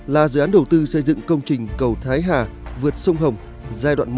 là dự án đầu tư xây dựng công trình cầu thái hà vượt sông hồng giai đoạn một